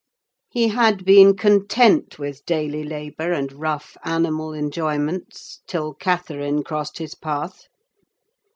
He had been content with daily labour and rough animal enjoyments, till Catherine crossed his path.